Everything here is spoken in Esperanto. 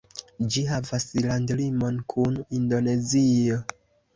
Ĝi havas landlimon kun Indonezio.